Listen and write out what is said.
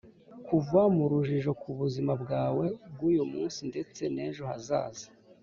kuva mu rujijo ku buzima bwawe bw’uyu munsi ndetse n’ejo hazaza